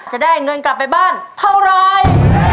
จะได้เงินปล่อยตอนรับเท่าไร